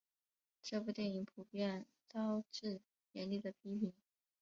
这部电影普遍招致严厉的批评。